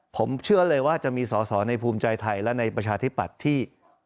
ผมเชื่อเลยว่าจะมีสอสอในภูมิใจไทยและในประชาธิปัตย์ที่